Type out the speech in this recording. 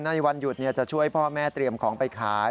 ในวันหยุดจะช่วยพ่อแม่เตรียมของไปขาย